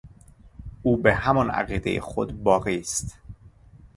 او به همان عقیدهٔ خود باقی است.